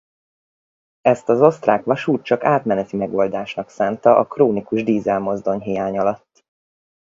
Ezt az osztrák vasút csak átmeneti megoldásnak szánta a krónikus dízelmozdony hiány alatt.